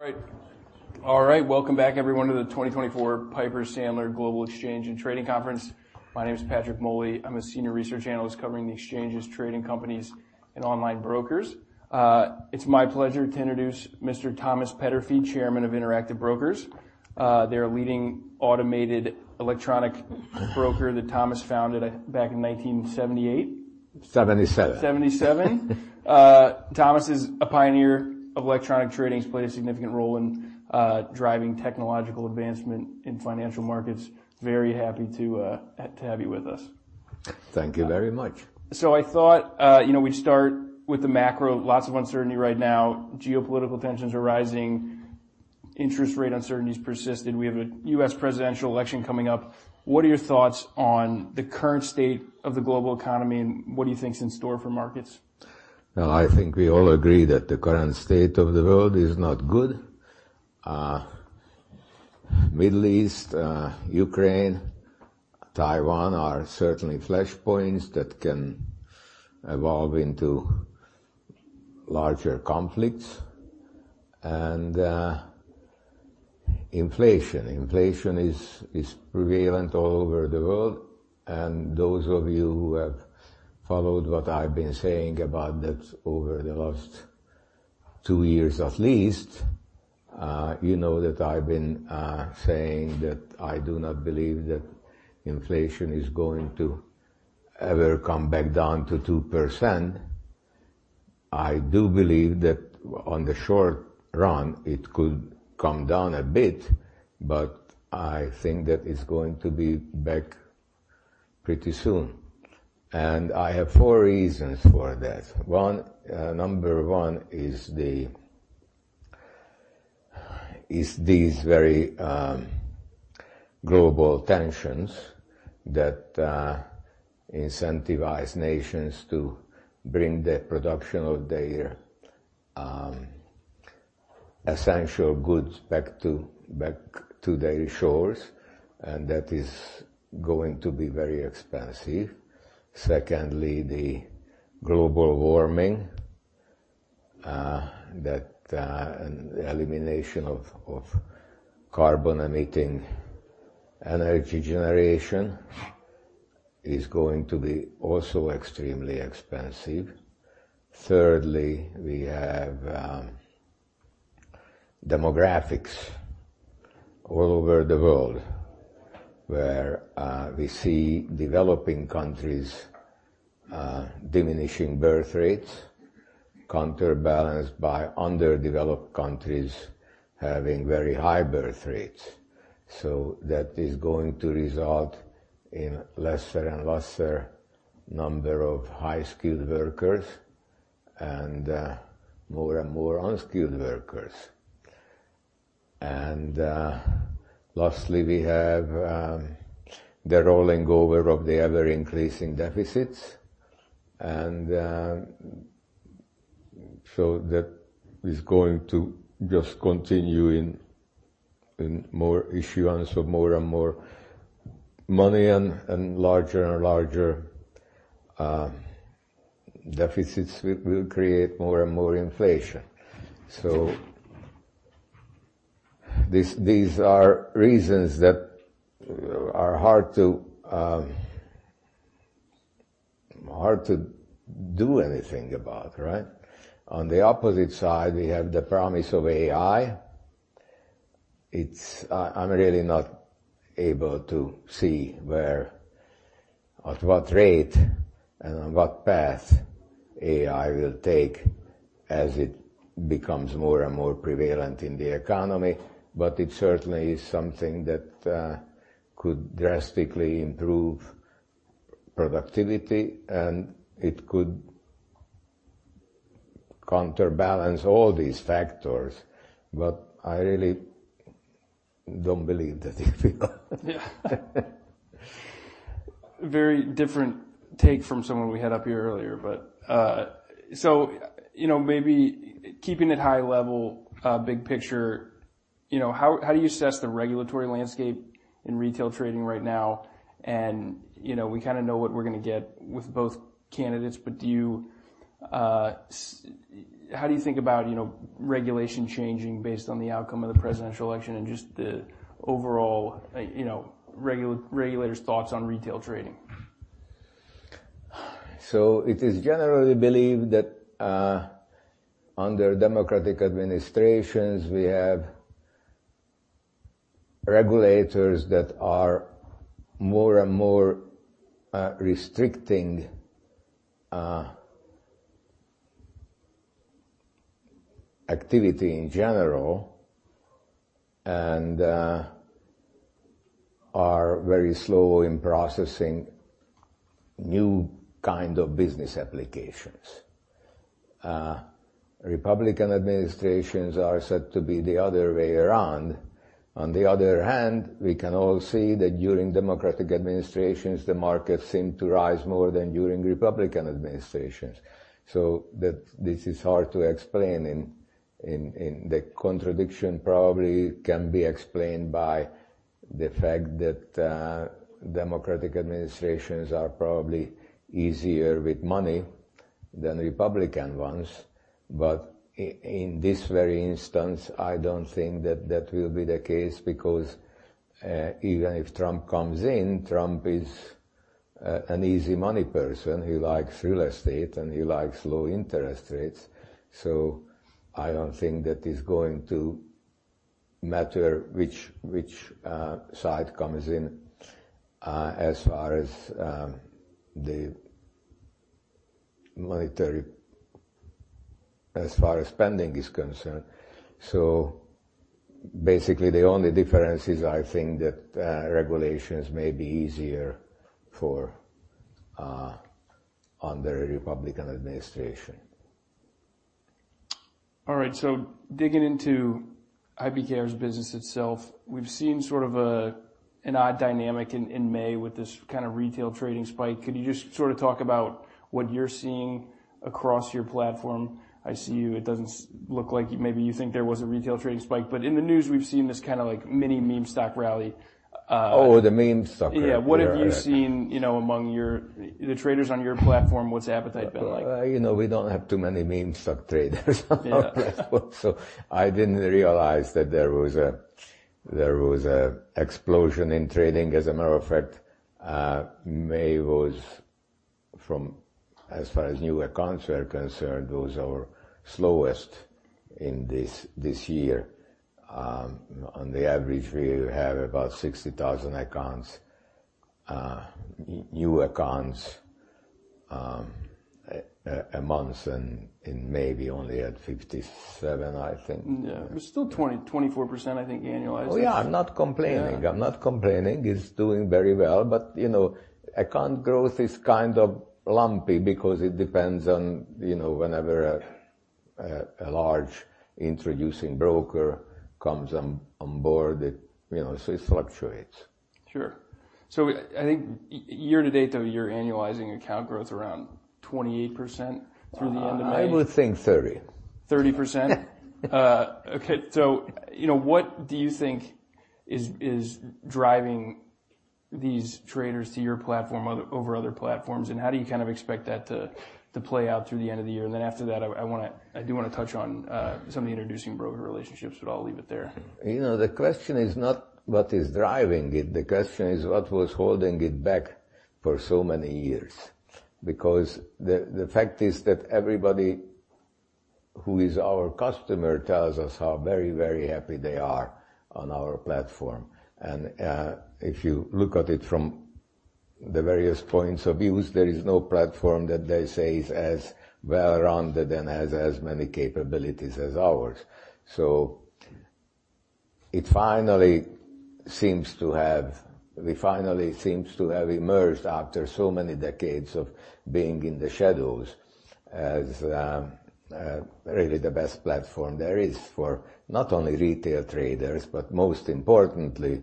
All right. All right, welcome back, everyone, to the 2024 Piper Sandler Global Exchange and Trading Conference. My name is Patrick Moley. I'm a senior research analyst covering the exchanges, trading companies, and online brokers. It's my pleasure to introduce Mr. Thomas Peterffy, Chairman of Interactive Brokers. They're a leading automated electronic broker that Thomas founded back in 1978? 1977. 1977. Thomas is a pioneer of electronic trading. He's played a significant role in driving technological advancement in financial markets. Very happy to have you with us. Thank you very much. I thought, you know, we'd start with the macro. Lots of uncertainty right now. Geopolitical tensions are rising, interest rate uncertainties persisted, we have a U.S. presidential election coming up. What are your thoughts on the current state of the global economy, and what do you think is in store for markets? Well, I think we all agree that the current state of the world is not good. Middle East, Ukraine, Taiwan are certainly flashpoints that can evolve into larger conflicts. And, inflation. Inflation is prevalent all over the world, and those of you who have followed what I've been saying about that over the last two years at least, you know that I've been saying that I do not believe that inflation is going to ever come back down to 2%. I do believe that on the short run, it could come down a bit, but I think that it's going to be back pretty soon. And I have four reasons for that. One, number one is the... It's these very global tensions that incentivize nations to bring the production of their essential goods back to their shores, and that is going to be very expensive. Secondly, the global warming and the elimination of carbon-emitting energy generation is going to be also extremely expensive. Thirdly, we have demographics all over the world, where we see developing countries' diminishing birth rates, counterbalanced by underdeveloped countries having very high birth rates. So that is going to result in lesser and lesser number of high-skilled workers and more and more unskilled workers. And lastly, we have the rolling over of the ever-increasing deficits, and so that is going to just continue in more issuance of more and more money and larger and larger deficits, which will create more and more inflation. So these, these are reasons that are hard to, hard to do anything about, right? On the opposite side, we have the promise of AI. It's, I'm really not able to see where, at what rate and on what path AI will take as it becomes more and more prevalent in the economy, but it certainly is something that, could drastically improve productivity, and it could counterbalance all these factors, but I really don't believe that it will. Yeah. Very different take from someone we had up here earlier. But, so, you know, maybe keeping it high level, big picture, you know, how, how do you assess the regulatory landscape in retail trading right now? And, you know, we kinda know what we're gonna get with both candidates, but do you... How do you think about, you know, regulation changing based on the outcome of the presidential election and just the overall, you know, regulators' thoughts on retail trading? So it is generally believed that, under Democratic administrations, we have regulators that are more and more, restricting, activity in general and, are very slow in processing new kind of business applications. Republican administrations are said to be the other way around. On the other hand, we can all see that during Democratic administrations, the markets seem to rise more than during Republican administrations. So that this is hard to explain in. The contradiction probably can be explained by the fact that, Democratic administrations are probably easier with money than Republican ones, but I, in this very instance, I don't think that that will be the case, because, even if Trump comes in, Trump is, an easy money person. He likes real estate, and he likes low interest rates, so I don't think that is going to matter which side comes in, as far as spending is concerned. So basically, the only difference is I think that regulations may be easier under a Republican administration. All right, so digging into IBKR's business itself, we've seen sort of an odd dynamic in May with this kind of retail trading spike. Could you just sort of talk about what you're seeing across your platform? I see you... It doesn't look like maybe you think there was a retail trading spike, but in the news, we've seen this kind of, like, mini-meme stock rally. Oh, the meme stock, yeah. Yeah. What have you seen, you know, among the traders on your platform, what's the appetite been like? You know, we don't have too many meme stock traders on our platform. Yeah. So I didn't realize that there was an explosion in trading. As a matter of fact, May was, as far as new accounts are concerned, our slowest in this year. On the average, we have about 60,000 new accounts a month, and in May, we only had 57, I think. Yeah, but still 20%-24%, I think, annualized. Oh, yeah. I'm not complaining. Yeah. I'm not complaining. It's doing very well, but, you know, account growth is kind of lumpy because it depends on, you know, whenever a large introducing broker comes on board, it, you know, so it fluctuates. Sure. So I think year to date, though, you're annualizing account growth around 28% through the end of May? I would think 30. 30%? Okay. So, you know, what do you think is driving these traders to your platform over other platforms, and how do you kind of expect that to play out through the end of the year? And then after that, I wanna. I do wanna touch on some of the introducing broker relationships, but I'll leave it there. You know, the question is not what is driving it, the question is what was holding it back for so many years? Because the fact is that everybody who is our customer tells us how very, very happy they are on our platform, and if you look at it from the various points of view, there is no platform that they say is as well-rounded and has as many capabilities as ours. We finally seems to have emerged, after so many decades of being in the shadows, as really the best platform there is for not only retail traders, but most importantly,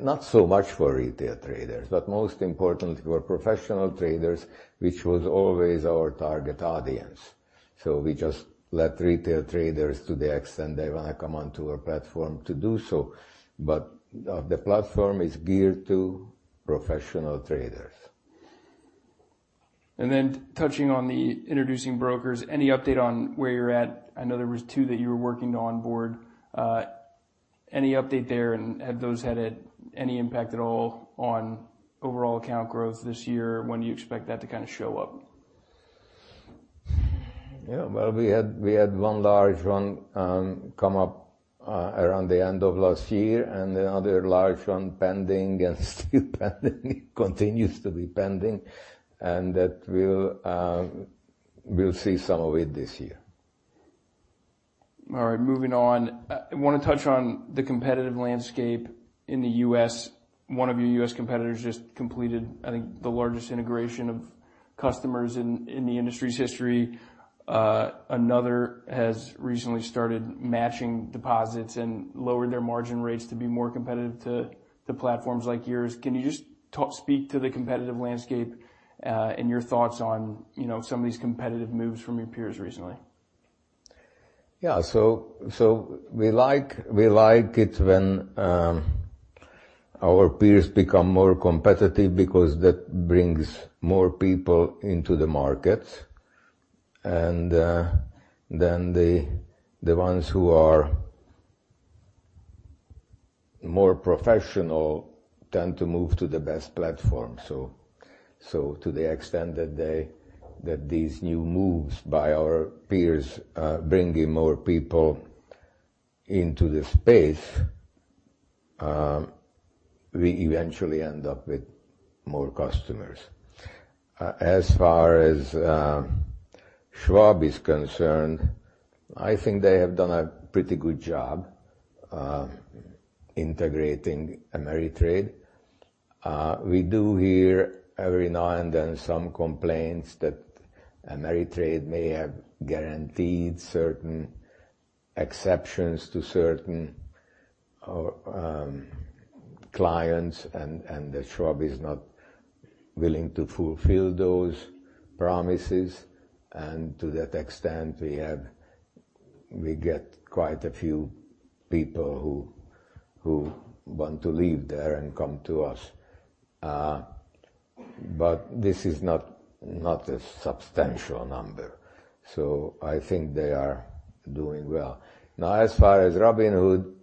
not so much for retail traders, but most importantly, for professional traders, which was always our target audience. So we just let retail traders to the extent they wanna come onto our platform to do so, but the platform is geared to professional traders. Then, touching on the introducing brokers, any update on where you're at? I know there was two that you were working to onboard. Any update there, and have those had any impact at all on overall account growth this year? When do you expect that to kinda show up? Yeah, well, we had one large one come up around the end of last year and another large one pending and still pending. Continues to be pending, and that we'll see some of it this year. All right, moving on. I wanna touch on the competitive landscape in the U.S. One of your U.S. competitors just completed, I think, the largest integration of customers in the industry's history. Another has recently started matching deposits and lowered their margin rates to be more competitive to platforms like yours. Can you just speak to the competitive landscape, and your thoughts on, you know, some of these competitive moves from your peers recently? Yeah. So we like, we like it when our peers become more competitive because that brings more people into the market. And then the ones who are more professional tend to move to the best platform. So to the extent that these new moves by our peers bringing more people into the space, we eventually end up with more customers. As far as Schwab is concerned, I think they have done a pretty good job integrating Ameritrade. We do hear every now and then some complaints that Ameritrade may have guaranteed certain exceptions to certain clients and that Schwab is not willing to fulfill those promises, and to that extent, we get quite a few people who want to leave there and come to us. But this is not a substantial number, so I think they are doing well. Now, as far as Robinhood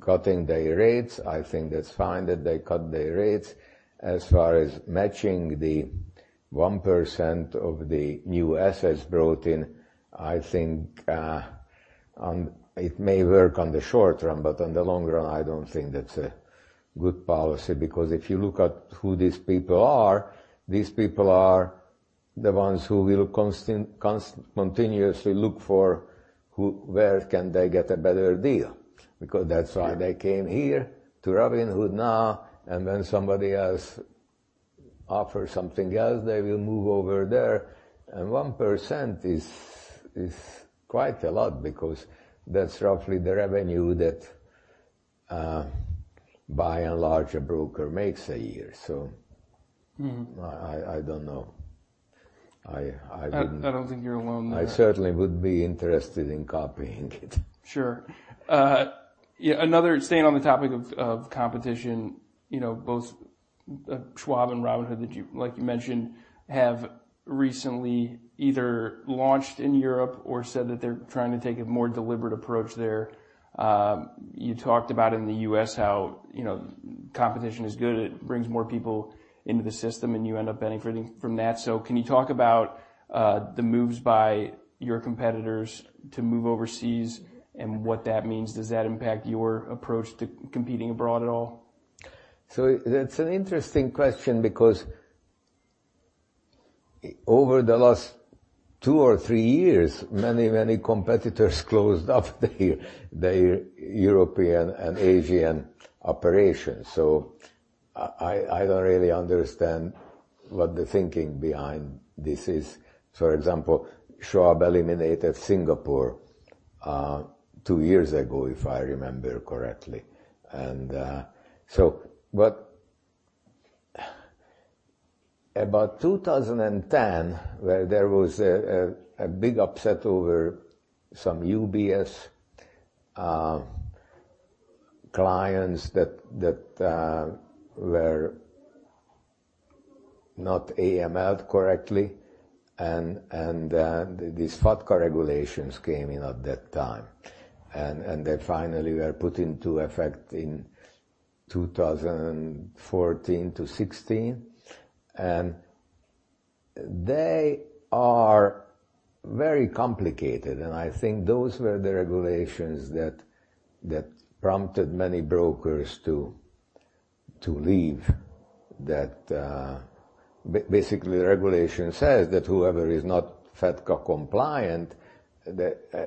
cutting their rates, I think that's fine that they cut their rates. As far as matching the 1% of the new assets brought in, I think it may work on the short run, but on the long run, I don't think that's a good policy. Because if you look at who these people are, these people are the ones who will constantly continuously look for where can they get a better deal, because that's why- Sure. They came here to Robinhood now, and when somebody else offers something else, they will move over there. One percent is quite a lot because that's roughly the revenue that, by and large, a broker makes a year, so- Mm-hmm. I don't know. I wouldn't- I don't think you're alone there. I certainly would be interested in copying it. Sure. Yeah, another... Staying on the topic of competition, you know, both, Schwab and Robinhood, that you—like you mentioned, have recently either launched in Europe or said that they're trying to take a more deliberate approach there. You talked about in the U.S. how, you know, competition is good, it brings more people into the system, and you end up benefiting from that. So can you talk about the moves by your competitors to move overseas and what that means? Does that impact your approach to competing abroad at all? So it's an interesting question because over the last two or three years, many, many competitors closed up their European and Asian operations. So I don't really understand what the thinking behind this is. For example, Schwab eliminated Singapore two years ago, if I remember correctly. And so what... About 2010, where there was a big upset over some UBS clients that were not AMLed correctly, and these FATCA regulations came in at that time. And they finally were put into effect in 2014-2016, and they are very complicated, and I think those were the regulations that prompted many brokers to leave. That... Basically, the regulation says that whoever is not FATCA compliant, a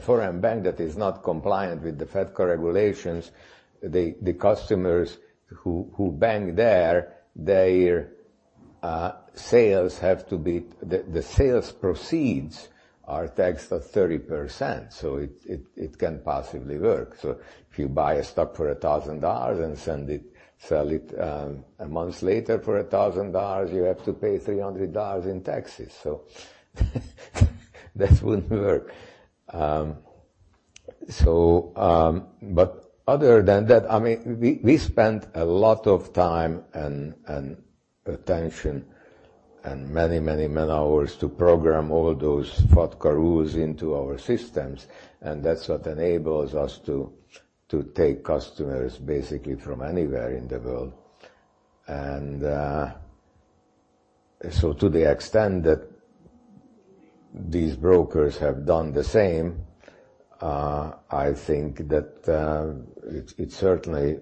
foreign bank that is not compliant with the FATCA regulations, the customers who bank there, their sales have to be... The sales proceeds are taxed at 30%, so it can't possibly work. So if you buy a stock for $1,000 and sell it a month later for $1,000, you have to pay $300 in taxes, so that wouldn't work. But other than that, I mean, we spent a lot of time and attention and many man-hours to program all those FATCA rules into our systems, and that's what enables us to take customers basically from anywhere in the world. So to the extent that these brokers have done the same, I think that, it's, it's certainly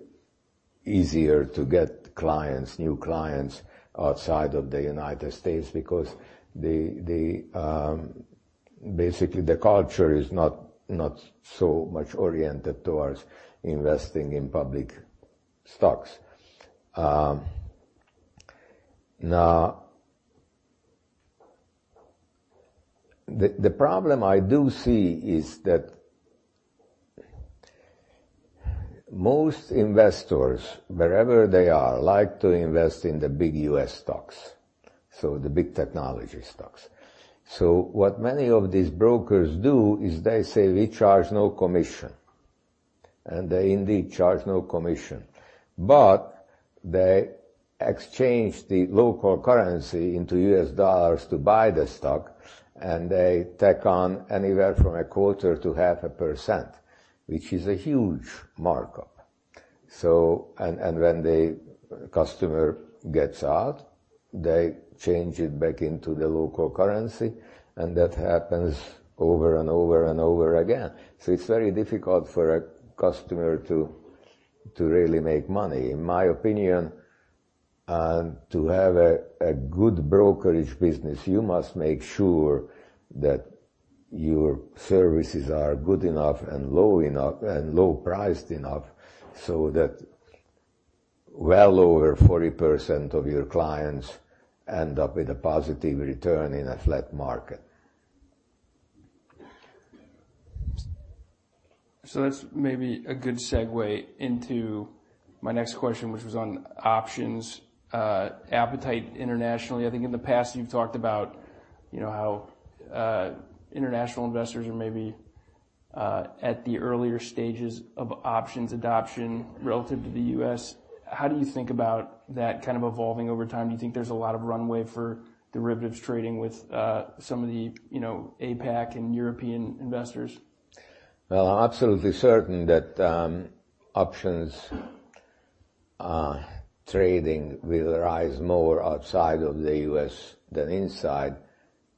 easier to get clients, new clients, outside of the United States because the, the, basically the culture is not, not so much oriented towards investing in public stocks. Now, the, the problem I do see is that most investors, wherever they are, like to invest in the big U.S. stocks, so the big technology stocks. So what many of these brokers do is they say: "We charge no commission," and they indeed charge no commission, but they exchange the local currency into U.S. dollars to buy the stock, and they tack on anywhere from 0.25%-0.5%, which is a huge markup. So... And when the customer gets out, they change it back into the local currency, and that happens over and over and over again. So it's very difficult for a customer to really make money. In my opinion, and to have a good brokerage business, you must make sure that your services are good enough and low enough and low priced enough so that well over 40% of your clients end up with a positive return in a flat market.... So that's maybe a good segue into my next question, which was on options appetite internationally. I think in the past, you've talked about, you know, how international investors are maybe at the earlier stages of options adoption relative to the U.S. How do you think about that kind of evolving over time? Do you think there's a lot of runway for derivatives trading with some of the, you know, APAC and European investors? Well, I'm absolutely certain that options trading will rise more outside of the U.S. than inside,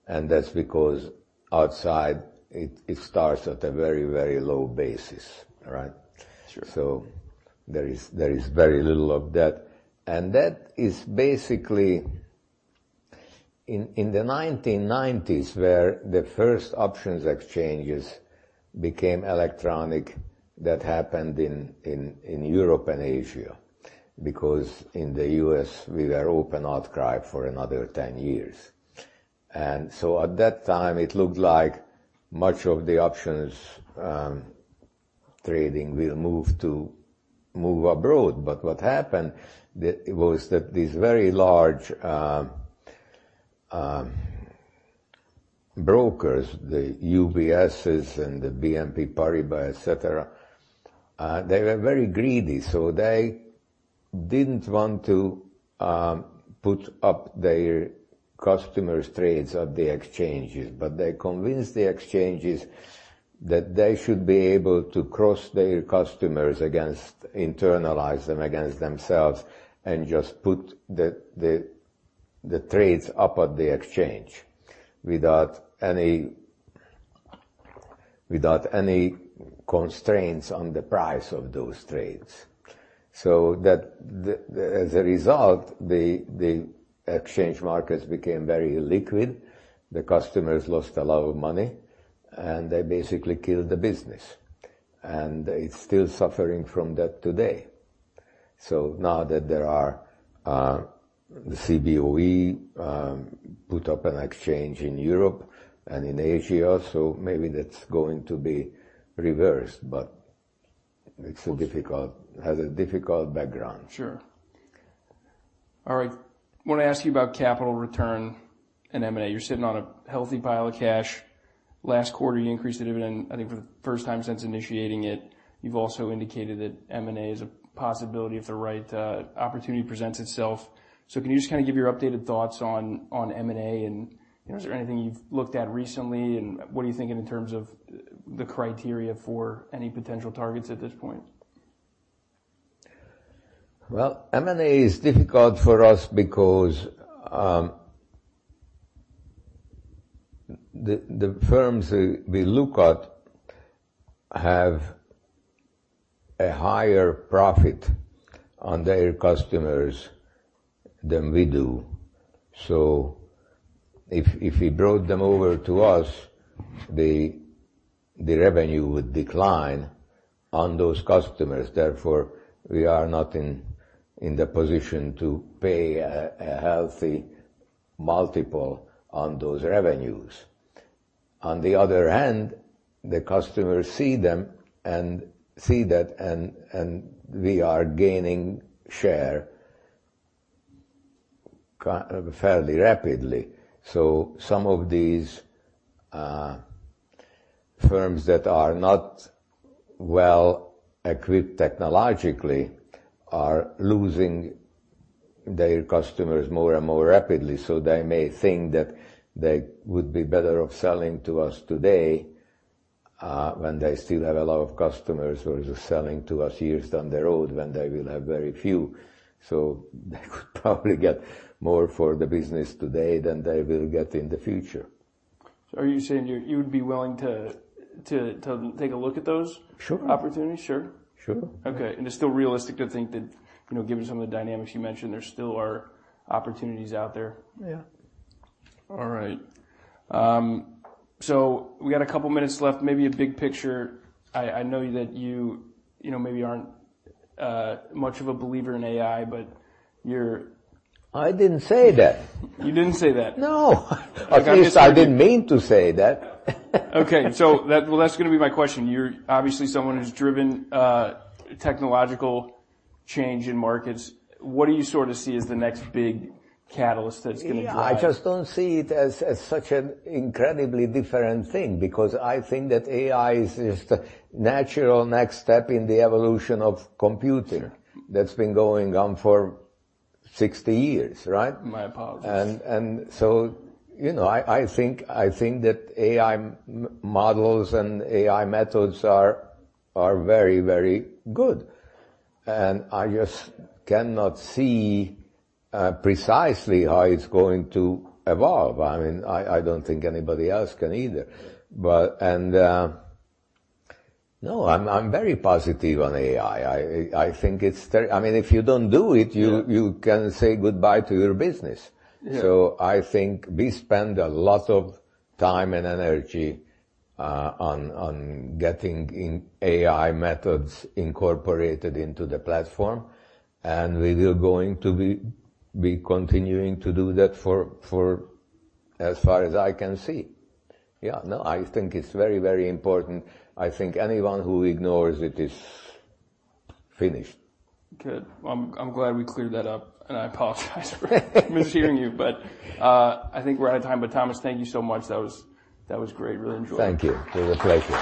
and that's because outside it, it starts at a very, very low basis. All right? Sure. So there is very little of that. And that is basically in the 1990s, where the first options exchanges became electronic. That happened in Europe and Asia, because in the U.S., we were open outcry for another 10 years. And so at that time, it looked like much of the options trading will move abroad. But what happened was that these very large brokers, the UBSs and the BNP Paribas, et cetera, they were very greedy, so they didn't want to put up their customers' trades at the exchanges. But they convinced the exchanges that they should be able to cross their customers against internalize them against themselves, and just put the trades up at the exchange without any constraints on the price of those trades. So that, as a result, the exchange markets became very illiquid. The customers lost a lot of money, and they basically killed the business. It's still suffering from that today. So now that there are the Cboe put up an exchange in Europe and in Asia also, maybe that's going to be reversed, but it's so difficult, has a difficult background. Sure. All right. I wanna ask you about capital return and M&A. You're sitting on a healthy pile of cash. Last quarter, you increased the dividend, I think, for the first time since initiating it. You've also indicated that M&A is a possibility if the right opportunity presents itself. So can you just kind of give your updated thoughts on M&A, and, you know, is there anything you've looked at recently, and what are you thinking in terms of the criteria for any potential targets at this point? Well, M&A is difficult for us because the firms we look at have a higher profit on their customers than we do. So if we brought them over to us, the revenue would decline on those customers. Therefore, we are not in the position to pay a healthy multiple on those revenues. On the other hand, the customers see them and see that, and we are gaining share fairly rapidly. So some of these firms that are not well-equipped technologically are losing their customers more and more rapidly. So they may think that they would be better off selling to us today, when they still have a lot of customers, or just selling to us years down the road when they will have very few. So they could probably get more for the business today than they will get in the future. Are you saying you would be willing to take a look at those- Sure. Opportunities? Sure. Sure. Okay. It's still realistic to think that, you know, given some of the dynamics you mentioned, there still are opportunities out there? Yeah. All right. So we got a couple of minutes left. Maybe a big picture, I know that you, you know, maybe aren't much of a believer in AI, but you're- I didn't say that. You didn't say that? No. At least I didn't mean to say that. Okay. So that... Well, that's gonna be my question. You're obviously someone who's driven technological change in markets. What do you sort of see as the next big catalyst that's gonna drive- Yeah, I just don't see it as such an incredibly different thing, because I think that AI is just a natural next step in the evolution of computing. That's been going on for 60 years, right? My apologies. So, you know, I think that AI models and AI methods are very, very good, and I just cannot see precisely how it's going to evolve. I mean, I don't think anybody else can either. But... no, I'm very positive on AI. I think it's ter-- I mean, if you don't do it- Yeah.... you can say goodbye to your business. Yeah. So I think we spend a lot of time and energy on getting AI methods incorporated into the platform, and we are going to be continuing to do that for as far as I can see. Yeah. No, I think it's very, very important. I think anyone who ignores it is finished. Good. I'm, I'm glad we cleared that up, and I apologize for mishearing you. But, I think we're out of time. But, Thomas, thank you so much. That was, that was great. Really enjoyed it. Thank you. It was a pleasure.